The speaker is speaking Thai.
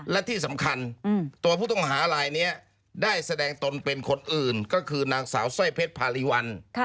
และที่สำคัญตัวผู้ต้องหาลายนี้ได้แสดงตนเป็นคนอื่นก็คือนางสาวสร้อยเพชรพารีวัล